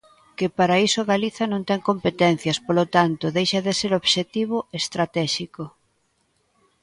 Que para iso Galiza non ten competencias, polo tanto, deixa de ser obxectivo estratéxico.